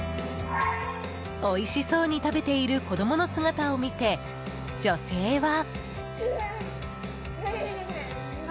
おいしそうに食べている子供の姿を見て、女性は。